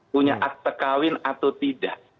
punya akte kawin atau tidak